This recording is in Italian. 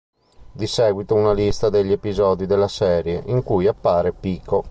Di seguito una lista degli episodi della serie in cui appare Pico.